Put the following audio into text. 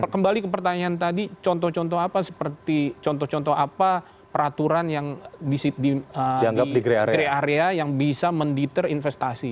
kembali ke pertanyaan tadi contoh contoh apa seperti contoh contoh apa peraturan yang di krey area yang bisa mendeter investasi